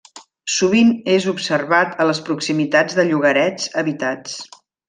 Sovint és observat a les proximitats de llogarets habitats.